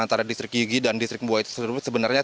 antara distrik yigi dan distrik mbua itu sebenarnya